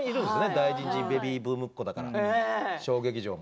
第２次ベビーブームっ子だから小劇場の。